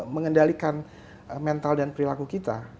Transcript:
mengendalikan mental dan perilaku kita